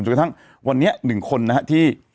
จนกระทั่งวันนี้หนึ่งคนที่